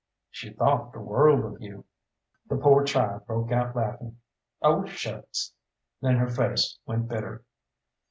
"She thought the world of you." The poor child broke out laughing, "Oh, shucks!" Then her face went bitter.